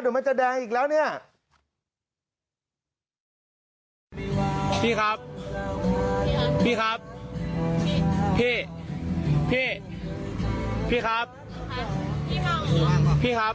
เดี๋ยวมันจะแดงอีกแล้วเนี้ยพี่ครับพี่ครับพี่พี่พี่ครับพี่ครับ